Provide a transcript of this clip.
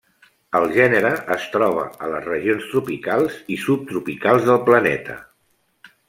El gènere es troba a les regions tropicals i subtropicals del planeta.